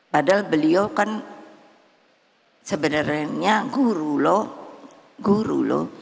padahal beliau kan sebenarnya guru loh guru loh